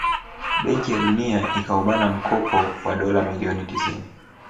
Benki ya Dunia ikaubana mkopo wa dola milioni tisini